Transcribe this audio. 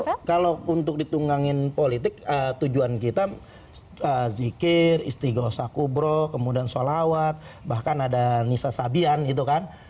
jadi kalau untuk ditunggangin politik tujuan kita zikir istighawasakubro kemudian sholawat bahkan ada nisa sabian gitu kan